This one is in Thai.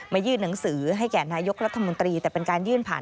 ยื่นหนังสือให้แก่นายกรัฐมนตรีแต่เป็นการยื่นผ่าน